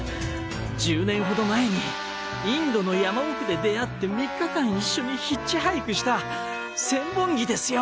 １０年ほど前にインドの山奥で出会って３日間一緒にヒッチハイクした千本木ですよ！